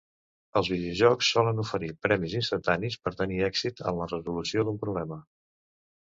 Els videojocs solen oferir premis instantanis per tenir èxit en la resolució d'un problema.